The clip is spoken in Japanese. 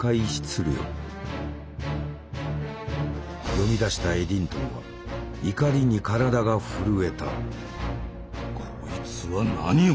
読みだしたエディントンは怒りに体が震えた。